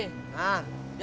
ini apaan sih